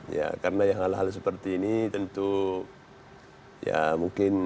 ya karena hal hal seperti ini tentu ya mungkin